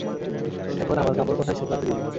এখন আমার কাপড় কোথায় শুকাতে দিব?